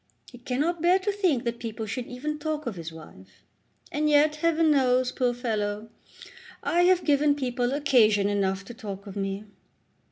He cannot bear to think that people should even talk of his wife. And yet, Heaven knows, poor fellow, I have given people occasion enough to talk of me.